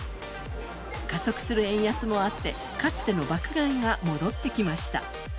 加速する円安もあって、かつての爆買いが戻ってきました。